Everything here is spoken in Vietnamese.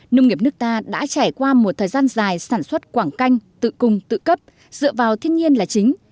nông nghiệp nước ta đã trải qua một thời gian dài sản xuất quảng canh tự cung tự cấp dựa vào thiên nhiên là chính